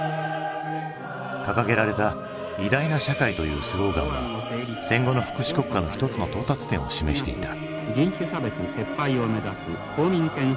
掲げられた「偉大な社会」というスローガンは戦後の福祉国家の一つの到達点を示していた。